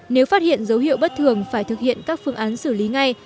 nếu phát hiện dấu hiệu bất thường phải thực hiện các phương án xử lý ngay